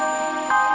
ya ini udah gawat